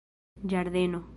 ĝardeno